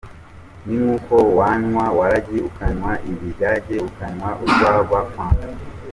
Ni nk’uko wanywa waragi ukanywa ibigage ukanywa urwagwa, fanta.